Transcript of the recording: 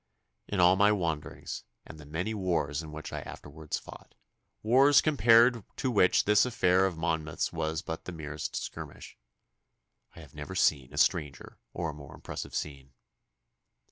In all my wanderings, and the many wars in which I afterwards fought wars compared to which this affair of Monmouth's was but the merest skirmish I have never seen a stranger or more impressive scene.